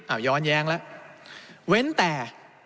เอาย้อนแย้งแล้วเว้นแต่